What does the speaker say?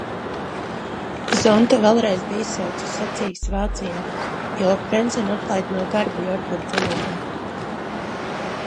Zonta vēlreiz bija izsaukts uz sacīksti Vācijā, jo Frencenu atlaida no darba Jordan komandā.